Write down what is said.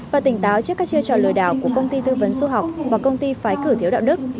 và tỉnh táo trước các chưa trò lừa đảo của công ty thư vấn xu học và công ty phái cử thiếu đạo đức